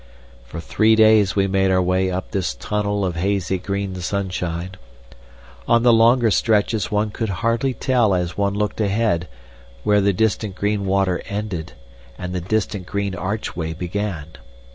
For three days we made our way up this tunnel of hazy green sunshine. On the longer stretches one could hardly tell as one looked ahead where the distant green water ended and the distant green archway began.